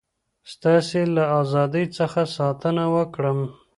ستاسي له ازادی څخه ساتنه وکړم.